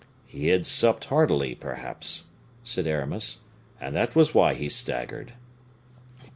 "He had supped heartily, perhaps," said Aramis, "and that was why he staggered."